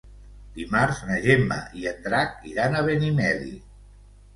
Dimarts na Gemma i en Drac iran a Benimeli.